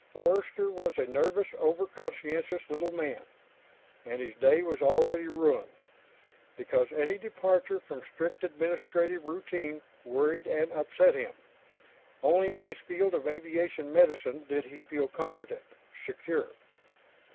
Forster was a nervous, over conscientious little man, and his day was already ruined, because any departure from strict administrative routine worried and upset him. Only in his field of aviation medicine did he feel competent, secure.